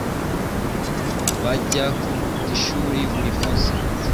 bajya ku ishuri buri munsi.